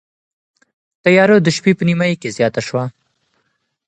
تیاره د شپې په نیمايي کې زیاته شوه.